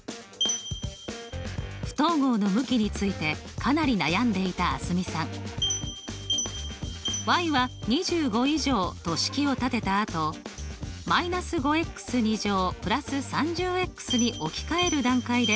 不等号の向きについてかなり悩んでいた蒼澄さん。は２５以上と式を立てたあと−５＋３０に置き換える段階で不等号